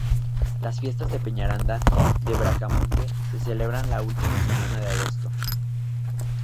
Las fiestas de Peñaranda de Bracamonte se celebran la última semana de agosto.